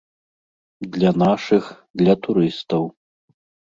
Для нашых, для турыстаў.